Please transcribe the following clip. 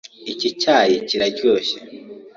Iki cyayi kiraryoshye.